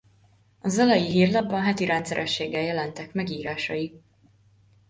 A Zalai Hírlapban heti rendszerességgel jelentek meg írásai.